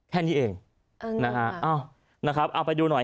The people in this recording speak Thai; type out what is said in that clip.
แค่นี้เองนะฮะเอ้านะครับเอาไปดูหน่อย